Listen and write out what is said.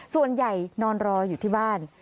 ส่วนใหญ่นอนรออยู่ที่บ้าน